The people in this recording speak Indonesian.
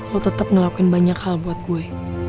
lo tetep ngelakuin banyak hal buat gue